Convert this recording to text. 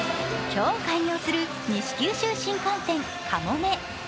今日開業する西九州新幹線かもめ。